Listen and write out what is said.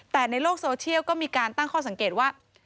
แต่ในโลกโซเชียลก็มีการตั้งข้อสังเกตว่า